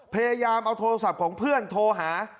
พยายามเอาโทรศัพท์ของเพื่อนโทรหา